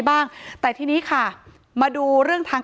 ถ้าใครอยากรู้ว่าลุงพลมีโปรแกรมทำอะไรที่ไหนยังไง